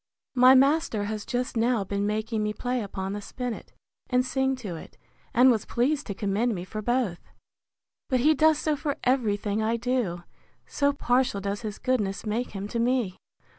My master has just now been making me play upon the spinnet, and sing to it; and was pleased to commend me for both. But he does so for every thing I do, so partial does his goodness make him to me.